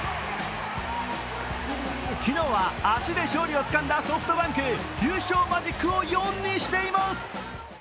昨日は足で勝利をつかんだソフトバンク優勝マジックを４にしています。